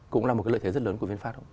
cũng là một cái lợi thế rất lớn của vinfast